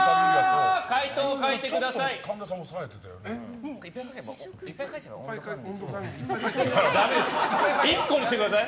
回答を書いてください。